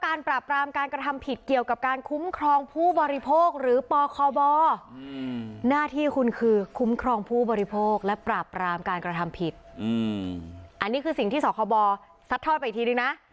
อันนี้คือสิ่งที่สคบสับท้อยไปอีกทีด้วยนะ